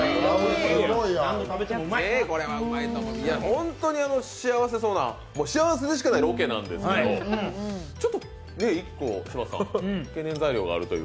本当に幸せそうな幸せでしかないロケなんですけどちょっと１個、柴田さん懸念材料があるという。